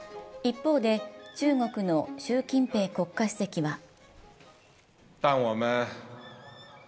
一方で、中国の習近平国家主席は